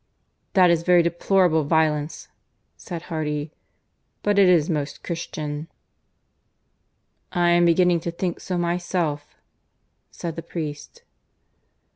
"That is very deplorable violence," said Hardy. "But it is most Christian." "I am beginning to think so myself," said the priest.